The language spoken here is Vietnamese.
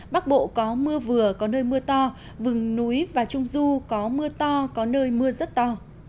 bắc bộ có mưa vừa có nơi mưa to vùng núi và trung du có mưa to có nơi mưa rất to